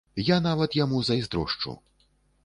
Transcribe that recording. Я нават яму зайздрошчу!